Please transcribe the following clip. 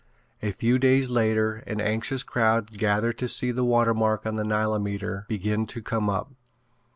A few days later an anxious crowd gathered to see the water mark on the Nilometer begin to come up.